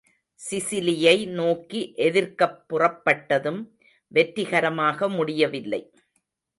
சிசிலியை நோக்கி எதிர்க்கப் புறப்பட்டதும் வெற்றிகரமாக முடியவில்லை.